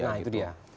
nah itu dia